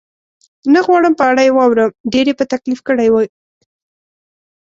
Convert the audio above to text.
نه غواړم په اړه یې واورم، ډېر یې په تکلیف کړی وې؟